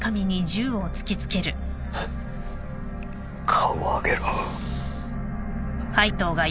顔を上げろ。